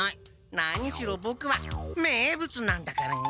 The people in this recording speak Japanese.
何しろボクは名物なんだからね！